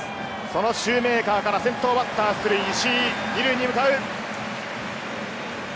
そのシューメーカーから先頭バッター出塁、石井は２塁に向かう。